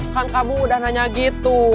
kang kamu udah nanya gitu